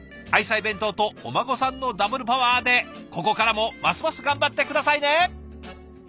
愛妻弁当とお孫さんのダブルパワーでここからもますます頑張って下さいね！